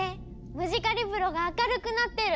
ムジカリブロが明るくなってる！